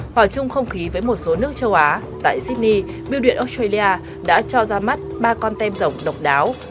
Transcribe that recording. hòa chung không khí với một số nước châu á tại sydney biêu điện australia đã cho ra mắt ba con tem rộng độc đáo